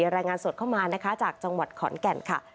รายงานสดเข้ามานะคะจากจังหวัดขอนแก่นค่ะ